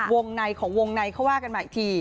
วงในของวงในเขาว่ากันมาอีกที